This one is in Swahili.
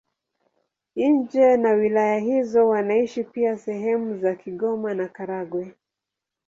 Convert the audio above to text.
Nje na wilaya hizo wanaishi pia sehemu za Kigoma na Karagwe.